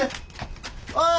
おい！